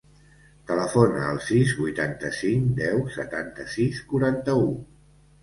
Telefona al sis, vuitanta-cinc, deu, setanta-sis, quaranta-u.